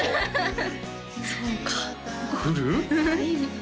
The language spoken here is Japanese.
そうか来る？